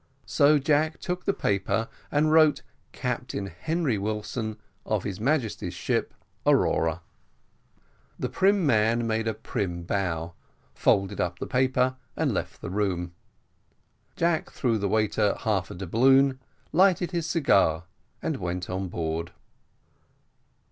So Jack took the paper and wrote Captain Henry Wilson, of his Majesty's ship Aurora. The prim man made a prim bow, folded up the paper, and left the room. Jack threw the waiter half a doubloon, lighted his cigar, and went on board.